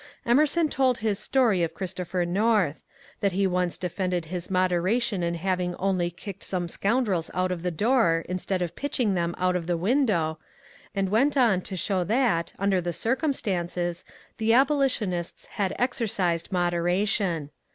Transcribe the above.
Em>> erson told his story of Christopher North, — that he once defended his moderation in having only kicked some scoun drels out of the door instead of pitching them out of the window, — and went on to show that, under the circum stances, the abolitionists had exercised moderation.